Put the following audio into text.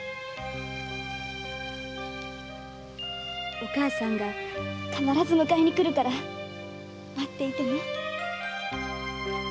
お母さんが必ず迎えに来るから待っていてね。